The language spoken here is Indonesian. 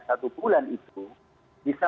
satu bulan itu bisa